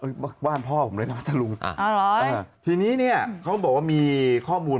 อยู่พัทหลุงต้นศตอร์